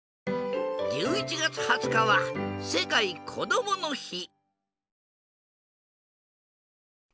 １１月２０日は世界こどもの日。